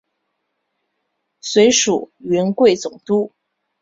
随署云贵总督。